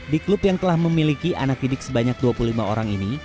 di klub yang telah memiliki anak didik sebanyak dua puluh lima orang ini